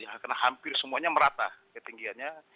karena hampir semuanya merata ketinggiannya